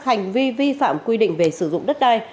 hành vi vi phạm quy định về sử dụng đất đai